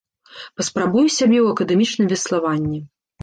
Паспрабую сябе ў акадэмічным веславанні.